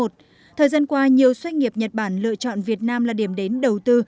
thời gian qua nhiều doanh nghiệp nhật bản lựa chọn việt nam là điểm đến đầu tư